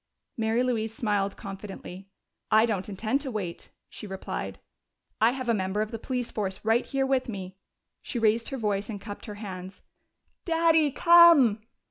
Mary Louise smiled confidently. "I don't intend to wait," she replied. "I have a member of the police force right here with me." She raised her voice and cupped her hands. "Daddy, come!"